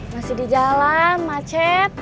masih di jalan macet